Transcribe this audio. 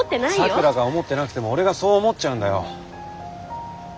咲良が思ってなくても俺がそう思っちゃうんだよ。